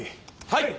はい。